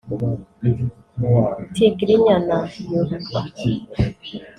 Tigrinya na Yoruba